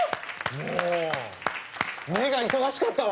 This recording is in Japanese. もう目が忙しかったわ。